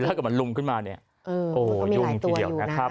แล้วก็มันลุงขึ้นมาเนี่ย